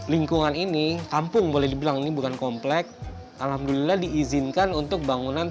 lingkungan ini kampung boleh dibilang ini bukan komplek alhamdulillah diizinkan untuk bangunan